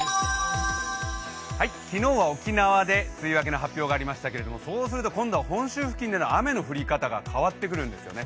昨日は沖縄で梅雨明けの発表がありましたけれども、そうすると本州付近での雨の降り方が変わってくるんですね。